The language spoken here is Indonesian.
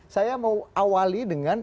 saya mau awali dengan